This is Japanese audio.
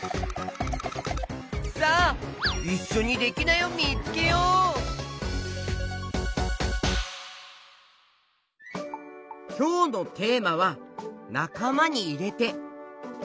さあいっしょにきょうのテーマは「なかまにいれて」